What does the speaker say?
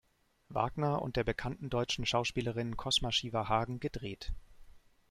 Wagner und der bekannten deutschen Schauspielerin Cosma Shiva Hagen gedreht.